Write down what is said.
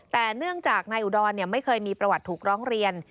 แต่เนื่องจากนายอุดรไม่เคยมีประวัติถูกร้องเรียน